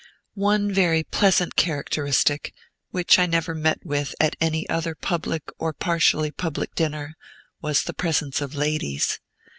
One very pleasant characteristic, which I never met with at any other public or partially public dinner, was the presence of ladies.